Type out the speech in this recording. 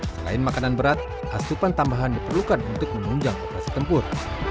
selain makanan berat asupan tambahan diperlukan untuk menunjang operasi tempur